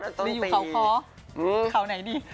กลัวใจจะเทกันมากเลย